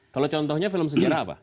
kalau contohnya film sejarah apa